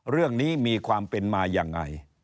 เรื่องนี้มีความเป็นมายังไง